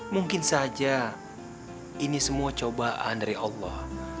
mungkin saja ini semua cobaan dari allah